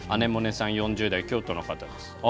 ４０代、京都の方です。